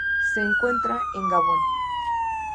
Se encuentra en Gabón.